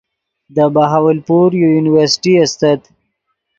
دے بہاولپور یو یونیورسٹی استت